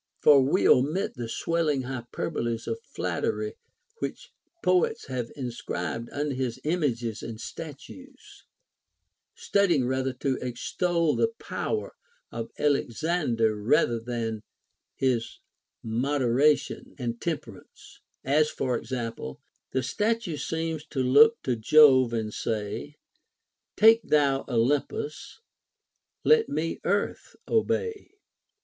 For we omit the swelling hyperboles of flattery which poets have inscribed under his images and statues, study ing rather to extol the power of Alexander than his mod eration and temperance ; as, for example, — The statue seems to look to Jove and say, Take thou Olympus ; me let Earth obey